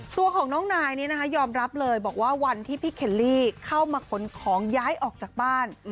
ตัวของน้องนายนี้นะคะยอมรับเลยบอกว่าวันที่พี่เคลลี่เข้ามาขนของย้ายออกจากบ้าน